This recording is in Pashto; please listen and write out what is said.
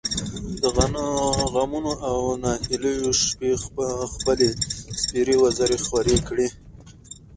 د غمـونـو او نهـيليو شـپې خپـلې سپـېرې وزرې خـورې کـړې.